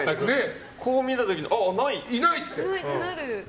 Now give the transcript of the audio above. こう見た時にいないって。